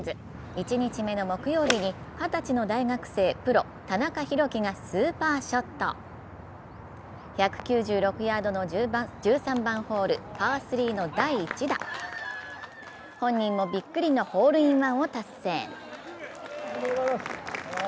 １日目の木曜日に二十歳の大学生プロ・田中裕基がスーパーショット１９６ヤードの１３番ホールパー３の第１打、本人もびっくりのホールインワンを達成。